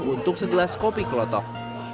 untuk segelas kopi klotok